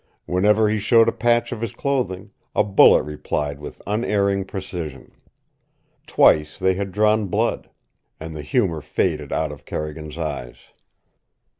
Whenever he showed a patch of his clothing, a bullet replied with unerring precision. Twice they had drawn blood. And the humor faded out of Carrigan's eyes.